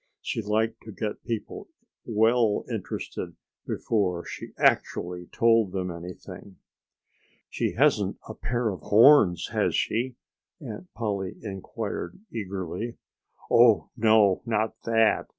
She liked to get people well interested before she actually told them anything. "She hasn't a pair of horns, has she!" Aunt Polly inquired eagerly. "Oh, no! Not that!